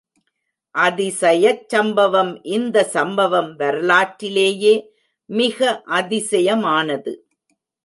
அதிசயச் சம்பவம் இந்த சம்பவம் வரலாற்றிலேயே மிக அதிசயமானது.